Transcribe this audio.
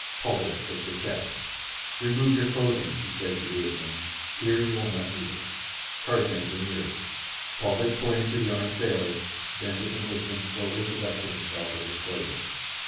Paulvitch took the cheque. "Remove your clothing," he said to the ape man. "Here you will not need it." Tarzan demurred. Paulvitch pointed to the armed sailors. Then the Englishman slowly divested himself of his clothing.